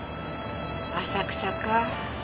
浅草かぁ。